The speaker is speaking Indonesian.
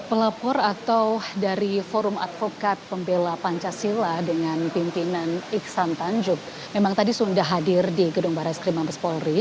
pelapor atau dari forum advokat pembela pancasila dengan pimpinan iksan tanjung memang tadi sudah hadir di gedung barai skrim mabes polri